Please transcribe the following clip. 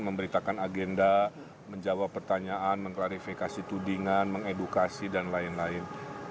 memberitakan agenda menjawab pertanyaan mengklarifikasi tudingan mengedukasi dan lain lain